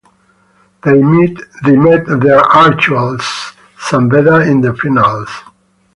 They met their archrivals, San Beda in the finals.